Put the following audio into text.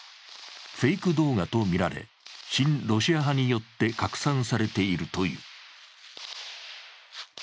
フェイク動画とみられ、親ロシア派によって拡散されているという。